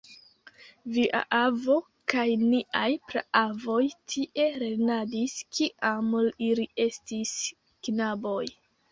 Via avo kaj niaj praavoj tie lernadis, kiam ili estis knaboj.